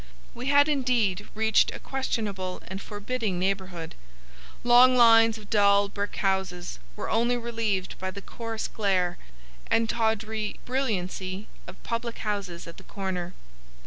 We had, indeed, reached a questionable and forbidding neighbourhood. Long lines of dull brick houses were only relieved by the coarse glare and tawdry brilliancy of public houses at the corner.